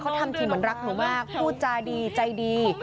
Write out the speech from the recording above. เขาทำทีเหมือนรักหนูมากพูดจาดีใจดี